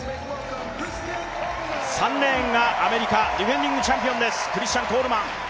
３レーンがアメリカディフェンディングチャンピオンですクリスチャン・コールマン。